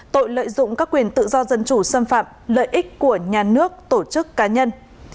tội lợi dụng các quyền tự do dân chủ xâm phạm lợi ích của nhà nước tổ chức cá nhân